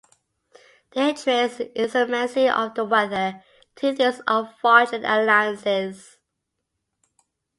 They traced the inclemency of the weather to these unfortunate alliances.